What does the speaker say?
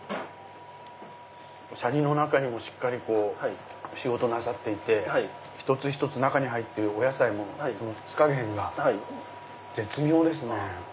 シャリの中にもしっかり仕事なさっていて一つ一つ中に入ってるお野菜も酢加減が絶妙ですね。